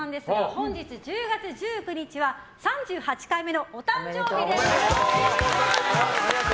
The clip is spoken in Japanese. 本日１０月１９日は３８回目の誕生日なんです。